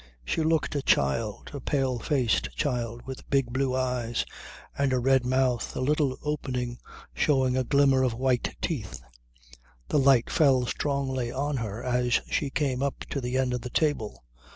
She looked a child; a pale faced child with big blue eyes and a red mouth a little open showing a glimmer of white teeth. The light fell strongly on her as she came up to the end of the table.